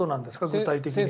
具体的に。